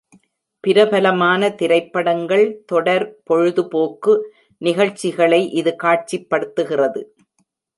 பிரபலமான திரைப்படங்கள், தொடர், பொழுதுபோக்கு நிகழ்ச்சிகளை இது காட்சிப்படுத்துகிறது.